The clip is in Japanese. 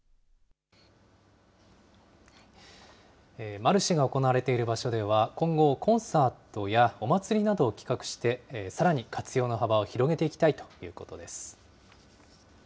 マルシェが行われている場所では、今後、コンサートやお祭りなどを企画して、さらに活用の幅を広げていきたいということです。